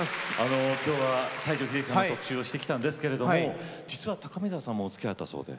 今日は西城秀樹さんの特集をしてきたんですけれども実は高見沢さんもおつきあいあったそうで。